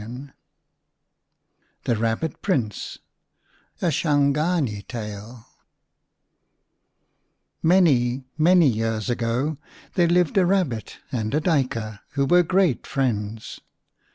42 THE RABBIT PRINCE A SHANGANI TALE MANY, many years ago there lived a Eabbit and a Duyker who were great friends.